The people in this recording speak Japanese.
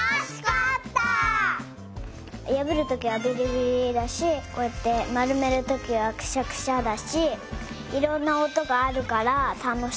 やぶるときはビリビリだしこうやってまるめるときはクシャクシャだしいろんなおとがあるからたのしかった。